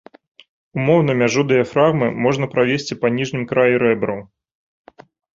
Умоўна мяжу дыяфрагмы можна правесці па ніжнім краі рэбраў.